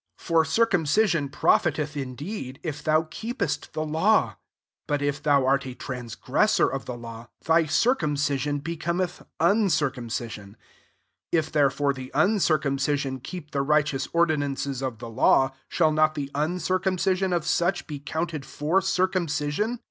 25 For circumcision profiteth indeed, if thou keepest the law: but if thou art a transgressor of the law, thy circumcision be cometh uncircumcision. 26 If therefore the uncircumcision keep the righteous ordinances of the law, shall not the uncircum cision of such be counted for cir cumcision?